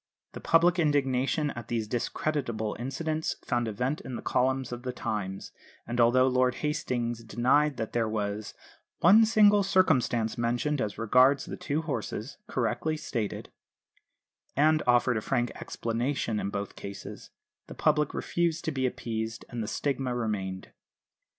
The public indignation at these discreditable incidents found a vent in the columns of the Times; and although Lord Hastings denied that there was "one single circumstance mentioned as regards the two horses, correctly stated," and offered a frank explanation in both cases, the public refused to be appeased, and the stigma remained.